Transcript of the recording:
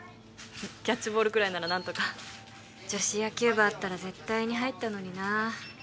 キャッチボールくらいなら何とか女子野球部あったら絶対に入ったのにな